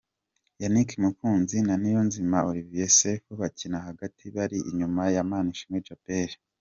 Yannick Mukunzi na Niyonzima Olivier Sefu bakina hagati bari inyuma ya Manishimwe Djabel.